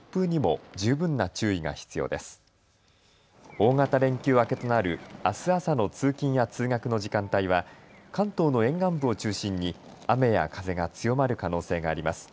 大型連休明けとなるあす朝の通勤や通学の時間帯は関東の沿岸部を中心に雨や風が強まる可能性があります。